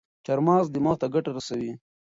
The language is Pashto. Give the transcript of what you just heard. چارمغز دماغ ته ګټه رسوي.